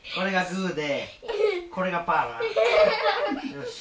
よし。